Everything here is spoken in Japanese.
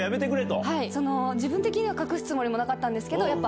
自分的には隠すつもりもなかったんですけど。